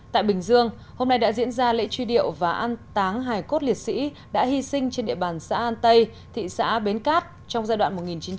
tại bình dương hôm nay đã diễn ra lễ truy điệu và an táng hài cốt liệt sĩ đã hy sinh trên địa bàn xã an tây thị xã bến cát trong giai đoạn một nghìn chín trăm bảy mươi hai một nghìn chín trăm bảy mươi bốn